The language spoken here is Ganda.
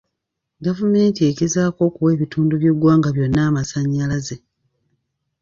Gavumenti egezaako okuwa ebitundu by'eggwanga byonna amasannyalaze.